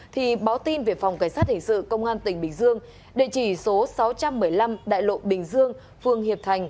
thì báo tin về phòng cảnh sát hình sự công an tỉnh bình dương địa chỉ số sáu trăm một mươi năm đại lộ bình dương phường hiệp thành